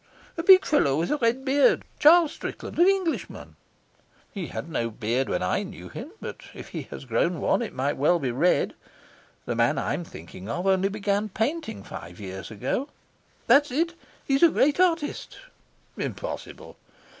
"A big fellow with a red beard. Charles Strickland. An Englishman." "He had no beard when I knew him, but if he has grown one it might well be red. The man I'm thinking of only began painting five years ago." "That's it. He's a great artist." "Impossible."